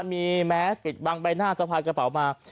มีแมสปิดบังใบหน้าสะพายกระเป๋ามา